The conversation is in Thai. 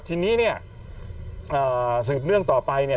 ทีนี้เนี่ยสืบเนื่องต่อไปเนี่ย